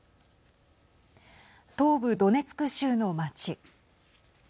東部ドネツク州の町。